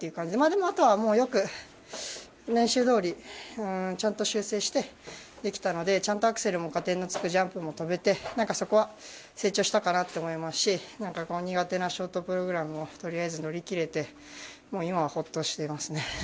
でも、あとはよく練習どおりちゃんと修正してできたのでちゃんとアクセルも加点のつくジャンプも跳べてそこは成長したかなと思いますし苦手なショートプログラムをとりあえず乗り切れて今はホッとしていますね。